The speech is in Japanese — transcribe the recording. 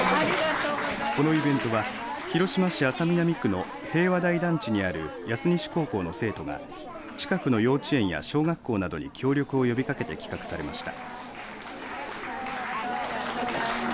このイベントは広島市安佐南区の平和台団地にある安西高校の生徒が近くの幼稚園や小学校などに協力を呼びかけて企画されました。